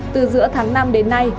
từ giữa tháng năm đến nay